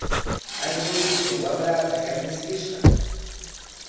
Allquykimi wamraata kaniskishqa.